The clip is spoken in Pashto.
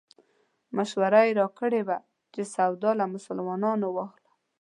مشوره یې راکړې وه چې سودا له مسلمانانو واخلو.